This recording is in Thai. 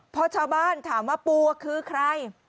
พอชาวบ้านถามว่าปูคือใคร